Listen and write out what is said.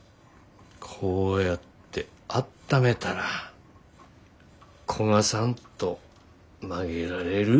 こうやってあっためたら焦がさんと曲げられる。